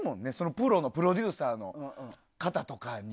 プロのプロデューサーの方とかに。